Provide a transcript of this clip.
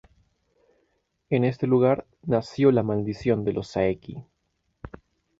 En este lugar nació la maldición de los Saeki.